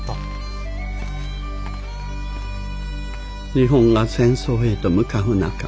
日本が戦争へと向かう中